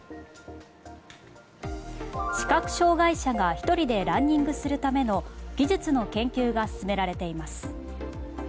視覚障害者が１人でランニングするための技術の研究が進められています。